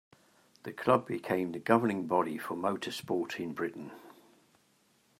The Club became the governing body for motor sport in Britain.